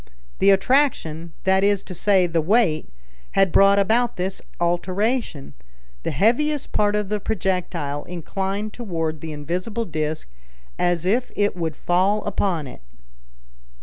The attraction, that is to say the weight, had brought about this alteration. The heaviest part of the projectile inclined toward the invisible disc as if it would fall upon it.